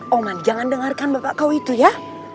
oman jangan dengarkan bapak kau itu ya